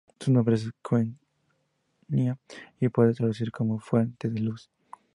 Su nombre es quenya y puede traducirse como ‘fuente de luz’.